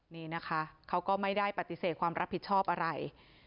นี่นะคะเขาก็ไม่ได้ปฏิเสธความรับผิดชอบอะไร